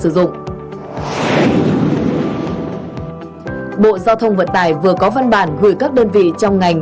bộ giao thông vận tải vừa có văn bản gửi các đơn vị trong ngành